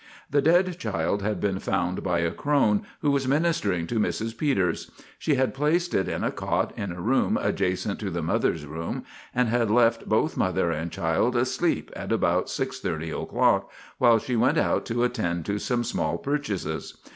The dead child had been found by a crone, who was ministering to Mrs. Peters. She had placed it in a cot in a room adjacent to the mother's room, and had left both mother and child asleep at about six thirty o'clock while she went out to attend to some small purchases.